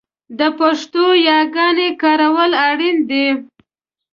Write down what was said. د پښتو یاګانې کارول اړین دي